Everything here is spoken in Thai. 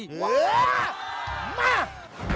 เหอะมาก